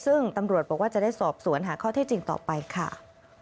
ซึ่งตำรวจบอกว่าจะได้สอบสวนหาข้อที่จริงต่อไปค่ะ